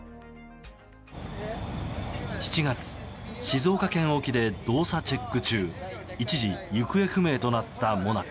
７月、静岡県沖で動作チェック中一時、行方不明となったＭＯＮＡＣＡ。